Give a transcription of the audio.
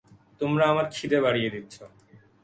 তোমরা আমার ক্ষিদে বাড়িয়ে দিচ্ছ।